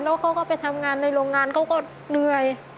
แล้วเขาก็ไปทำงานในโรงงานเขาก็เหนื่อย